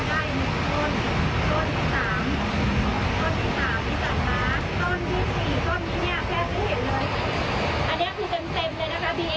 แล้วก็ต้นที่ห้าอันนี้โดนตรงไปปลาย